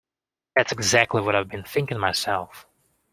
That's exactly what I've been thinking myself.